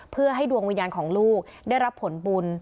เพื่อให้ดวงวิญญาณของลูกได้รับผลบุญ